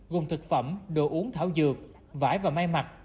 gồm thực phẩm đồ uống thảo dược vải và may mặt